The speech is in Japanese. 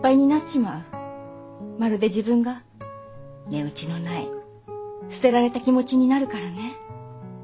まるで自分が値打ちのない捨てられた気持ちになるからね。